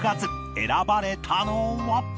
選ばれたのは